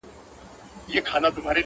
ساقي نوې مي توبه کړه ډک جامونه ښخومه-